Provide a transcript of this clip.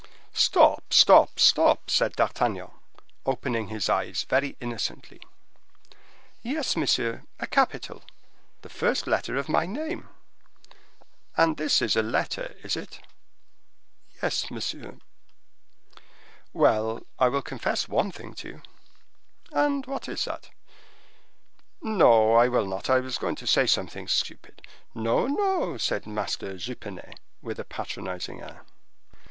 "Stop, stop, stop," said D'Artagnan, opening his eyes very innocently. "Yes, monsieur, a capital; the first letter of my name." "And this is a letter, is it?" "Yes, monsieur." "Well, I will confess one thing to you." "And what is that?" "No, I will not, I was going to say something stupid." "No, no," said Master Jupenet, with a patronizing air.